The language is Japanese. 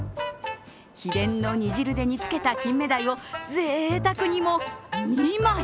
秘伝の煮汁で煮つけたきんめだいをぜいたくにも２枚！